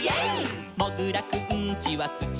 「もぐらくんちはつちのなか」「」